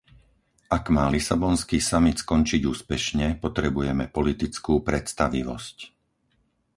Ak má lisabonský samit skončiť úspešne, potrebujeme politickú predstavivosť.